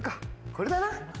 これだな！